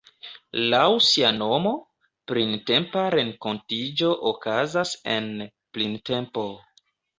Laŭ sia nomo, Printempa Renkontiĝo okazas en... printempo.